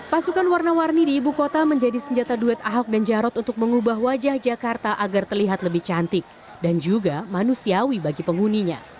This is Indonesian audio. pasukan warna warni di ibu kota menjadi senjata duet ahok dan jarot untuk mengubah wajah jakarta agar terlihat lebih cantik dan juga manusiawi bagi penghuninya